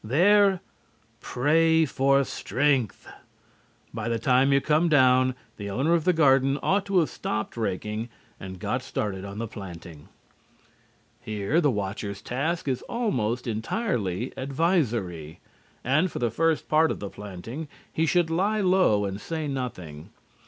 There pray for strength. By the time you come down, the owner of the garden ought to have stopped raking and got started on the planting. Here the watcher's task is almost entirely advisory. And, for the first part of the planting, he should lie low and say nothing.